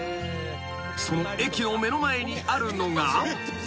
［その駅の目の前にあるのが］